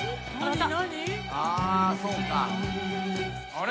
あれ？